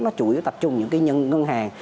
nó chủ yếu tập trung những cái ngân hàng